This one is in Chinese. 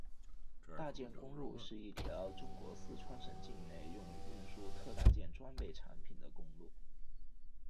大件公路是一条中国四川省境内用于运输特大件装备产品的公路。